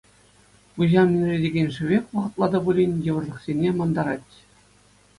Пуҫа минретекен шӗвек вӑхӑтлӑха та пулин йывӑрлӑхсене мантарать.